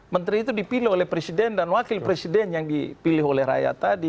menteri itu dipilih oleh presiden dan wakil presiden yang dipilih oleh rakyat tadi